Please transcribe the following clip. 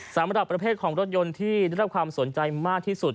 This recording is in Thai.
สำหรับประเภทของรถยนต์ที่ได้รับความสนใจมากที่สุด